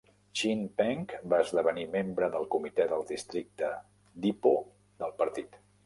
Chin Peng va esdevenir membre del comitè del districte d'Ipoh del partit.